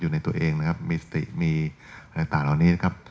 อยู่ในตัวเองนะครับมีสติมีอะไรต่างเหล่านี้นะครับ